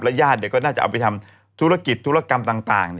ญาติก็น่าจะเอาไปทำธุรกิจธุรกรรมต่าง